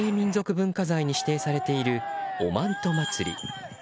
文化財に指定されているおまんと祭り。